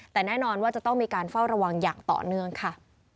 แต่แน่นอนว่าจะต้องมีการเฝ้าระวังอย่างต่อเนื่องค่ะ